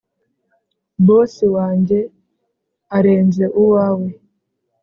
Bosi wange arenze uwawe